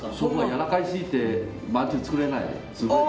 やわらかすぎてまず作れない。